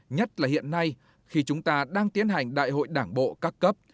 nhất là hiện nay khi chúng ta đang tiến hành đại hội đảng bộ các cấp